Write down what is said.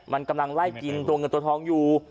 มันกำลังไล่กินตัวเงินตัวทองอยู่